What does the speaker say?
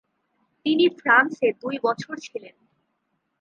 তিনি ফ্রান্সে দুই বছর ছিলেন।